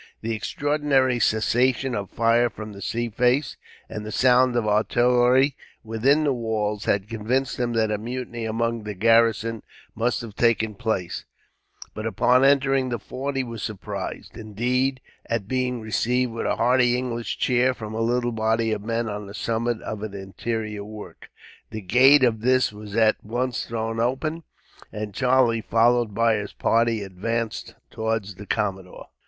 The extraordinary cessation of fire from the sea face, and the sound of artillery within the walls, had convinced him that a mutiny among the garrison must have taken place; but upon entering the fort he was surprised, indeed, at being received with a hearty English cheer, from a little body of men on the summit of an interior work. The gate of this was at once thrown open, and Charlie, followed by his party, advanced towards the commodore.